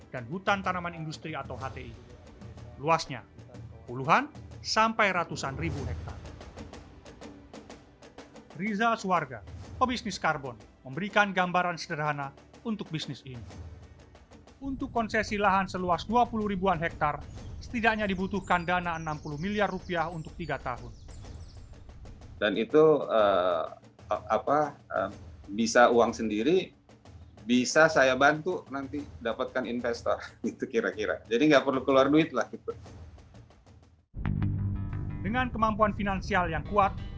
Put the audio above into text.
dengan kemampuan finansial yang kuat